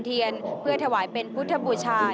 พิธีเวียนเทียนเพื่อถวายเป็นพุทธบูชา